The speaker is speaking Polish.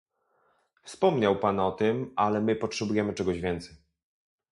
Wspomniał pan o tym, ale my potrzebujemy czegoś więcej